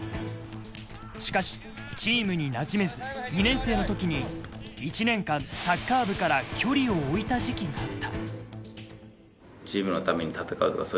しかしチームに馴染めず２年生のときに、１年間サッカー部から距離を置いた時期もあった。